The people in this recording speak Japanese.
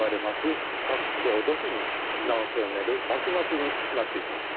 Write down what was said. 長土肥に名を連ねる幕末になっていきます。